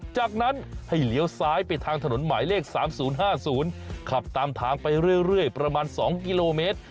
จากนั้นให้เลี้ยวซ้ายไปทางถนนหมายเลข๓๐๕๐ขับตามทางไปเรื่อยประมาณ๒กิโลเมตร